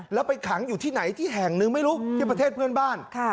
แล้วไปขังอยู่ที่ไหนที่แห่งหนึ่งไม่รู้ที่ประเทศเพื่อนบ้าน